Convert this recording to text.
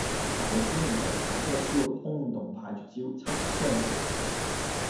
大師兄突然打出一招崆峒派絕招，七傷拳